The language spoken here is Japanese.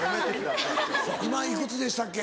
今いくつでしたっけ？